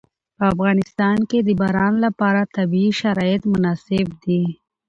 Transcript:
په افغانستان کې د باران لپاره طبیعي شرایط مناسب دي.